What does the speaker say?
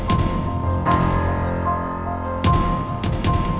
kita bisa kebelakangan lagi ya